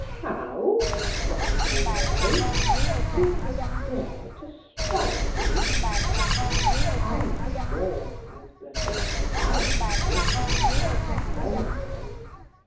"How!" cries Allworthy; "did he dare to strike you?" "I am sure," cries Blifil, "I have forgiven him that long ago.